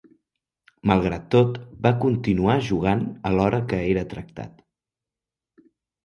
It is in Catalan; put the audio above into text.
Malgrat tot, va continuar jugant alhora que era tractat.